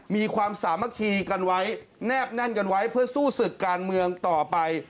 มีความสามัคคีกันไว้แนบแน่นกันไว้เพื่อสู้ศึกการเมืองต่อไป